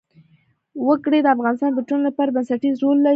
وګړي د افغانستان د ټولنې لپاره بنسټيز رول لري.